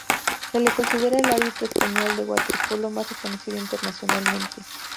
Se le considera el árbitro español de waterpolo más reconocido internacionalmente.